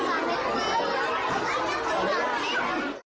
อย่าขออนุญาต